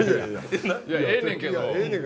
いや、ええねんけど。